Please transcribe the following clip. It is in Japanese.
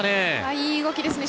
いい動きですね。